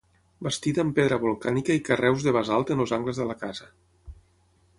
Bastida amb pedra volcànica i carreus de basalt en els angles de la casa.